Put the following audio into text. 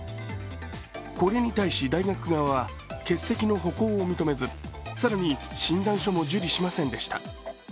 これに対し、大学側は欠席の補講を認めず更に診断書も受理しませんでした。